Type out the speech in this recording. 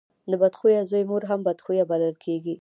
د بد خويه زوی مور هم بد خويه بلل کېږي.